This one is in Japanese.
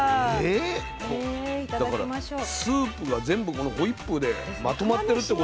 だからスープが全部このホイップでまとまってるってことでしょ。